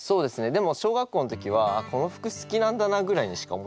でも小学校の時はこの服好きなんだなぐらいにしか思ってなくて。